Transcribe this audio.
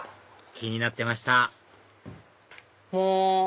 気になってましたほお！